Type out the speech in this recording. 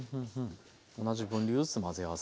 同じ分量ずつ混ぜ合わせると。